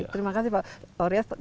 terima kasih pak taurias